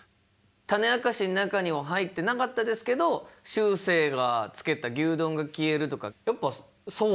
種明かしの中には入ってなかったですけどしゅうせいがつけた「牛丼が消える」とかやっぱそうなんですね。